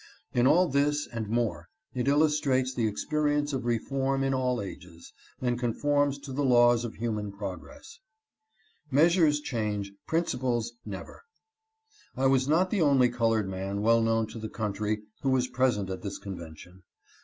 In all this and CASS AND CALHOUN. 345 more it illustrates the experience of reform in all ages, and conforms to the laws of human progress. Measures change, principles never. I was not the only colored man well known to the coun try who was present at this convention.